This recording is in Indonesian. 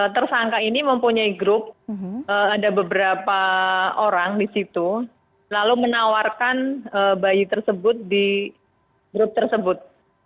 tersangka ini mempunyai grup ada beberapa orang di situ lalu menawarkan bayi tersebut di grup tersebut